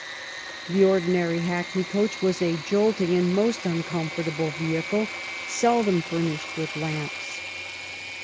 The ordinary hackney coach was a jolting and most uncomfortable vehicle, seldom furnished with lamps.